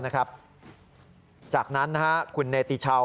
นะครับจากนั้นคุณเนตย์ตีเช่า